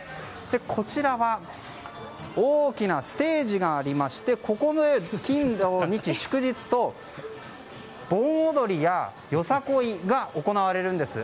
こちらは大きなステージがありましてここは金土日祝日と盆踊りやよさこいが行われるんです。